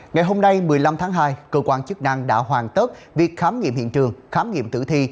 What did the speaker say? ngày hôm nay một mươi năm tháng hai cơ quan chức năng đã hoàn tất việc khám nghiệm hiện trường khám nghiệm tử thi